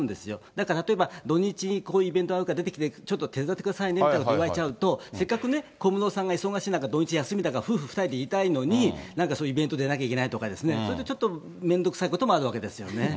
だから例えば土日にこういうイベントあるから、出てきて、ちょっと手伝ってくださいねみたいなことを言われちゃうと、せっかく、小室さんが忙しい中、土日休みだから夫婦２人でいたいのに、なんかそういうイベント出ないといけないとか、それでちょっとめんどくさいこともあるわけですね。